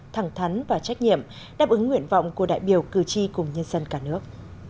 thẳng thắn và trách nhiệm đáp ứng nguyện vọng của đại biểu cử tri cùng nhân dân cả nước